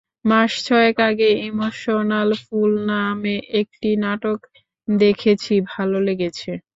মাস ছয়েক আগে emotional fool নামে একটি নাটক দেখেছি, ভালো লেগেছে।